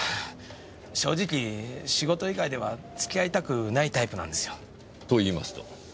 正直仕事以外では付き合いたくないタイプなんですよ。と言いますと？